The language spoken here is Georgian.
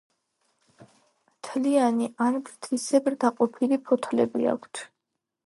მთლიანი ან ფრთისებრ დაყოფილი ფოთლები აქვთ.